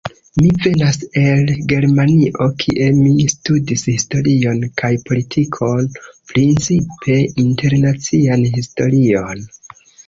Mi venas el Germanio, kie mi studis historion kaj politikon, principe internacian historion.